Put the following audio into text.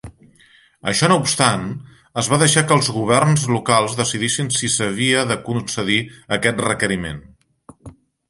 Això no obstant, es va deixar que els governs locals decidissin si s'havia de concedir aquest requeriment.